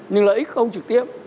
nhưng lợi ích không trực tiếp